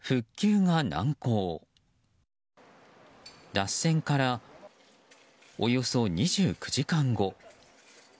脱線からおよそ２９時間後。